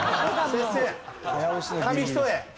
紙一重。